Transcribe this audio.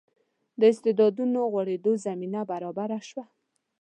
د استعدادونو غوړېدو زمینه برابره شوه.